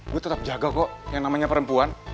gue tetap jaga kok yang namanya perempuan